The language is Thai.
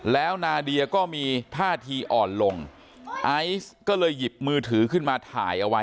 แล้วนาเดียก็มีท่าทีอ่อนลงไอซ์ก็เลยหยิบมือถือขึ้นมาถ่ายเอาไว้